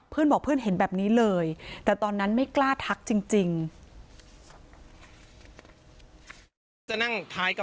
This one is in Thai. เพื่อนบอกเพื่อนเห็นแบบนี้เลยแต่ตอนนั้นไม่กล้าทักจริง